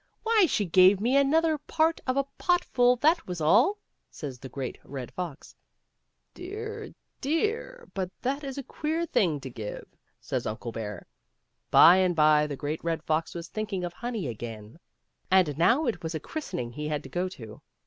" Why, she gave me another part of a pot full, that was all," says the Great Red Fox. " Dear, dear ! but that is a queer thing to give," says Uncle Bear. By and by the Great Red Fox was thinking of honey again, and now it was a christening he had to go to.